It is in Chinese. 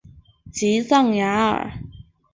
吉藏雅尔。